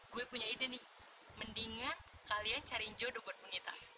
gue punya ide nih mendingan kalian cariin jodoh buat wanita